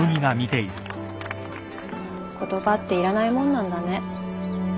言葉っていらないもんなんだね。